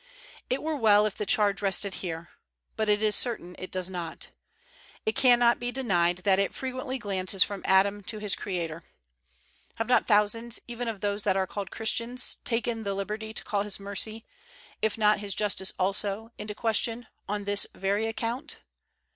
It were well if the charge rested here: but it is certain it does not. It can not be denied that it frequently glances from Adam to his Creator. Have not thousands, even of those that are called Christians, taken the liberty to call His mercy, if not His justice also, into ques tion, on this very account?